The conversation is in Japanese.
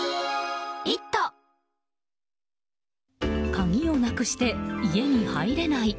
鍵をなくして家に入れない。